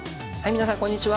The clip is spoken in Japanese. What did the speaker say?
皆さんこんにちは。